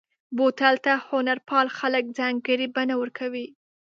بوتل ته هنرپال خلک ځانګړې بڼه ورکوي.